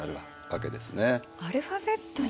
アルファベットに？